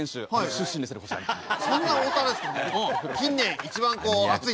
そんな大田原ですけども。